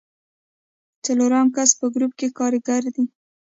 څلورم کس په ګروپ کې کاریګر دی.